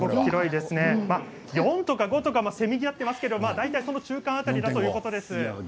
４とか５とかせめぎ合っていますが大体その中間辺りだということです。